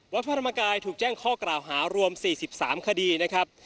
พระธรรมกายถูกแจ้งข้อกล่าวหารวม๔๓คดีนะครับ